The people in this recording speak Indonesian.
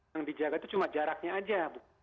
yang dijaga itu cuma jaraknya aja